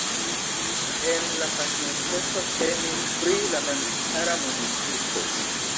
En la pasinteco temis pri la memstara municipo.